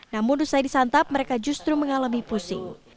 namun usai disantap mereka justru mengalami pusing